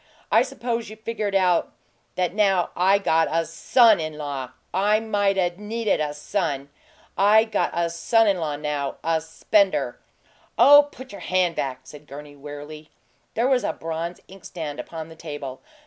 I suppose you figure it out that now I got a SON IN LAW, I mightn't need a son! Yes, I got a son in law now a spender!" "Oh, put your hand back!" said Gurney, wearily. There was a bronze inkstand upon the table.